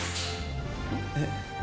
えっ？